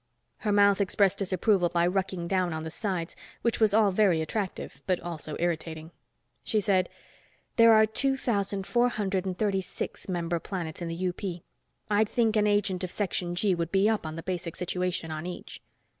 Her mouth expressed disapproval by rucking down on the sides, which was all very attractive but also irritating. She said, "There are two thousand, four hundred and thirty six member planets in the UP, I'd think an agent of Section G would be up on the basic situation on each."